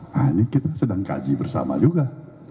nah ini kita sedang kaji bersama juga